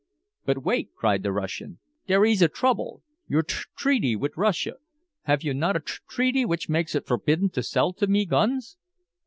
"But wait!" cried the Russian. "Dere ees a trouble! Your tr reaty wit' Russia! Have you not a tr reaty which makes it forbidden to sell to me guns?"